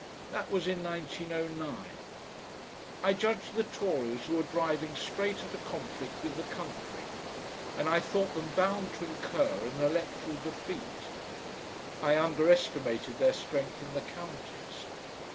That was in 1909. I judged the Tories were driving straight at a conflict with the country, and I thought them bound to incur an electoral defeat. I under estimated their strength in the counties.